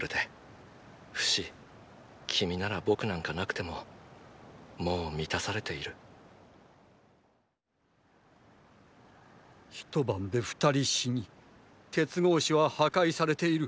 フシ君なら僕なんか無くてももう満たされている一晩で二人死に鉄格子は破壊されている。